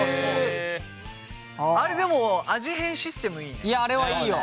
あれでも味変システムいいね。